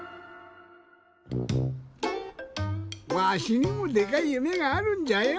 わしにもでかい夢があるんじゃよ。